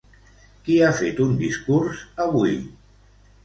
Qui ha fet un discurs avui?